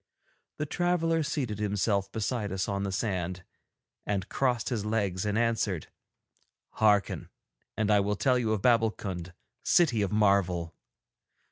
The traveller seated himself beside us on the sand, and crossed his legs and answered: 'Hearken, and I will tell you of Babbulkund, City of Marvel.